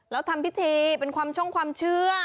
แล้วทำพิธีเป็นความช่องความเชื่อ